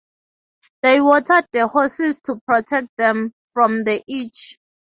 They watered the horses to protect them from the itch.